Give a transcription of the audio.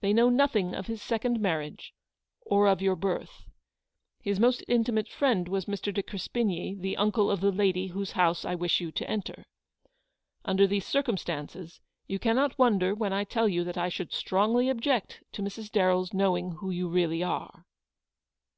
They know nothing of his second marriage, or of your birth. His most intimate friend was Mr. de Crespigny, the uncle of the lady whose house I wish you to enter. Under these circumstances you cannot wonder when I tell you that I should strongly object to Mrs. Darren's knowing who you really are."